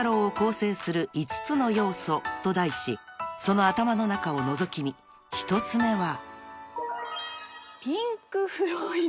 ［と題しその頭の中をのぞき見１つ目は］